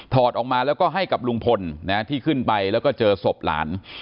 อดออกมาแล้วก็ให้กับลุงพลที่ขึ้นไปแล้วก็เจอศพหลาน